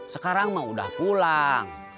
sekarang mah udah pulang